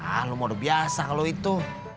ah lo moda biasa kalau itu